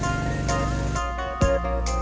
ya udah sama diberikan